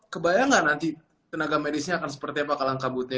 kebayangkan nanti tenaga medisnya akan seperti apa akan langka butuhnya